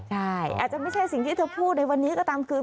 ใช่อาจจะไม่ใช่สิ่งที่เธอพูดในวันนี้ก็ตามคือ